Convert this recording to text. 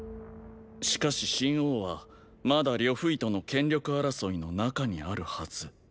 しかし秦王はまだ呂不韋との権力争いの中にあるはず。